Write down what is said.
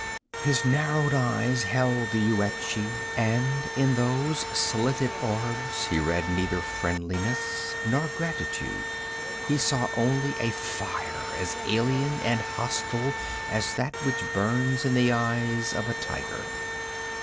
His narrowed eyes held the Yuetshi and in those slitted orbs he read neither friendliness nor gratitude; he saw only a fire as alien and hostile as that which burns in the eyes of a tiger.